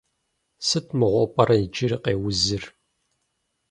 Сыт мыгъуэу пӏэрэ иджыри къеузыр?